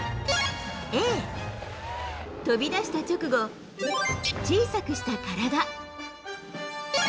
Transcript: Ａ、飛び出した直後、小さくした体。